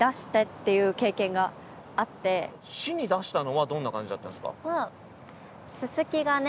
市に出したのはどんな感じだったんですか？